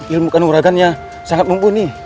ilmu kanuragannya sangat mumpuni